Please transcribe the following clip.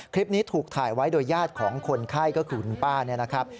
คลิปนี้ถูกถ่ายไว้โดยญาติของคนไข้ก็คือคุณป้าเนี่ยนะครับ